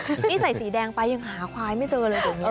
นี่ใส่สีแดงไปยังหาควายไม่เจอเลย